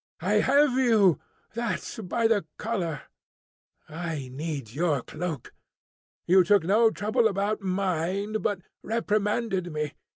I have you, that by the collar! I need your cloak. You took no trouble about mine, but reprimanded me.